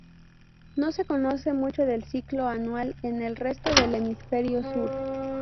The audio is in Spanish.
No se conoce mucho del ciclo anual en el resto del hemisferio sur.